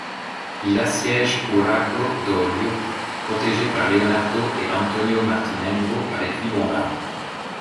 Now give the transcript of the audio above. Il assiège Urago d'Oglio, protégée par Leonardo et Antonio Martinengo avec huit bombardes.